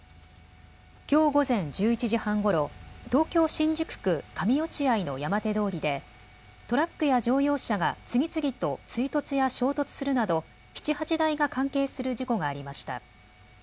きょう午前１１時半ごろ東京新宿区上落合の山手通りでトラックや乗用車が次々と追突や衝突するなど７、８台が関係する事故がありました。